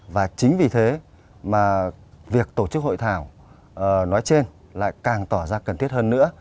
và chính vì thế mà việc tổ chức hội thảo nói trên lại càng tỏ ra cần thiết hơn nữa